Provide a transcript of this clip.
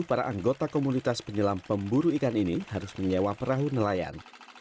para anggota komunitas penyelam pemburu ikan ini harus menyewa perahu nelayan